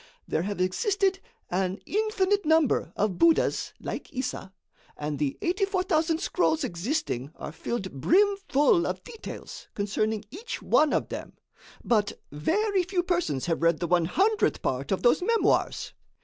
There have existed an infinite number of buddhas like Issa, and the 84,000 scrolls existing are filled brim full of details concerning each one of them. But very few persons have read the one hundredth part of those memoirs.